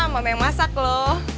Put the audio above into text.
mama yang masak loh